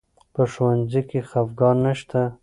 په ښوونځي کې خفګان نه شته.